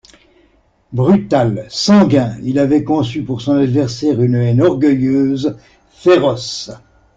Brutal, sanguin, il avait conçu pour son adversaire une haine orgueilleuse, féroce.